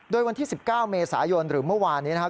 โดยวันที่๑๙เมษายนหรือเมื่อวานนี้นะครับ